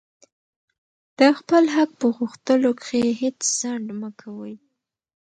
د خپل حق په غوښتلو کښي هېڅ ځنډ مه کوئ!